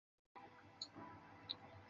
他最著名的作品是电视剧避风港。